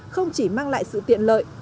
không chỉ mang lại sự tiện lợi